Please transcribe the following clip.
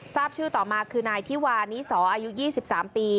ทราบชื่อต่อมาคือนายธิวานิสออายุ๒๓ปี